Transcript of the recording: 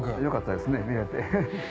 よかったですね見れて。